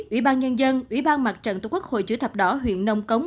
ủy ban nhân dân ủy ban mặt trận tổ quốc hội chữ thập đỏ huyện nông cống